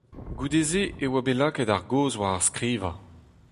Goude se e oa bet lakaet ar gaoz war ar skrivañ.